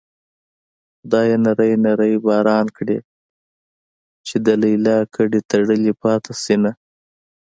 خدايه نری نری باران کړې چې د ليلا ګډې تړلې پاتې شينه